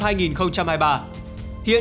hiện có một trăm linh chín công an xã thị trấn